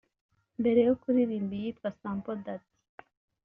Mbere yo kuririmba iyitwa ‘Sample Dat’